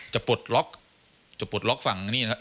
ปลดล็อกจะปลดล็อกฝั่งนี่นะครับ